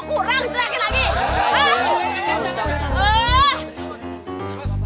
mau kurang teriakin lagi hah